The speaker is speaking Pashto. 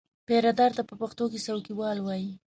پیرهدار ته په پښتو کې څوکیوال وایي.